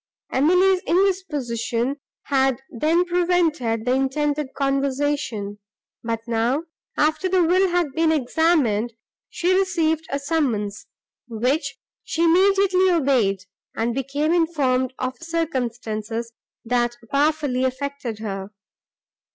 Emily's indisposition had then prevented the intended conversation; but now, after the will had been examined, she received a summons, which she immediately obeyed, and became informed of circumstances, that powerfully affected her.